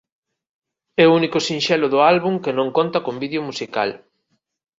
É o único sinxelo do álbum que non conta con vídeo musical.